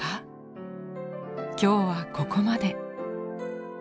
今日はここまで。